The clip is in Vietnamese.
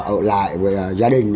ở lại với gia đình